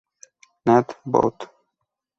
Nat., Bot.